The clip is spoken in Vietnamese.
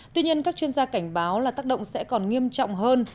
tuy nhiên các chuyên gia cảnh báo là tác động sẽ còn nghiêm trọng hơn